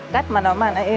cắt mà nó mà lại